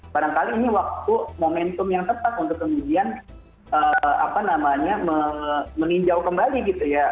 barangkali ini waktu momentum yang tepat untuk kemudian meninjau kembali gitu ya